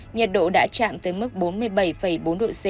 nhiệt độ đã chạm tới mức bốn mươi bảy bốn độ c